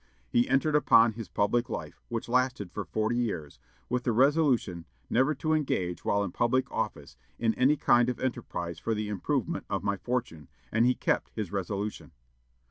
He entered upon his public life, which lasted for forty years, with the resolution "never to engage, while in public office, in any kind of enterprise for the improvement of my fortune;" and he kept his resolution.